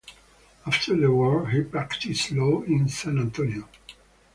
After the war, he practiced law in San Antonio.